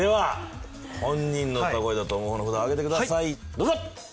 どうぞ！